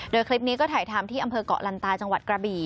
โดยคลิปนี้ก็ถ่ายทำที่อำเภอกเกาะลันตาจังหวัดกระบี่